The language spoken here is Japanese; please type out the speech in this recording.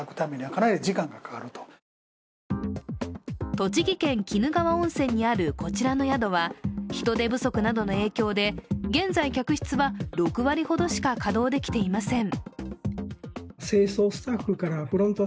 栃木県・鬼怒川温泉にあるこちらの宿は、人手不足などの影響で現在、客室は６割ほどしか稼働できていません。